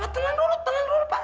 tenang dulu tenang dulu pak